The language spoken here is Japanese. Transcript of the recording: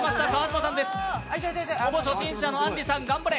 ほぼ初心者のあんりさん、頑張れ！